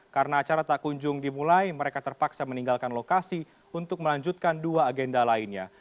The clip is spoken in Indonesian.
karena acara tak kunjung dimulai mereka terpaksa meninggalkan lokasi untuk melanjutkan dua agenda lainnya